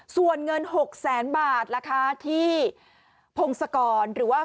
ส่วนเงิน๒๐๐๐๐๐บาทละคะที่โพงสกรหรือว่า